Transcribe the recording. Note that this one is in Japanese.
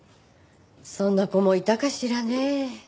そんな子もいたかしらね。